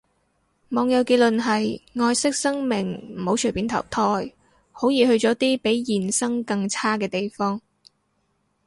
網友結論係，愛惜生命唔好隨便投胎，好易去咗啲比現生更差嘅地方